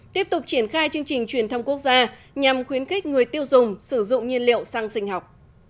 tiếp tục triển khai chương trình truyền thông quốc gia nhằm khuyến khích người tiêu dùng sử dụng nhiên liệu xăng sinh học